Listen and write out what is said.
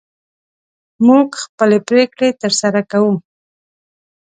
موږ خپلې پرېکړې تر سره کوو.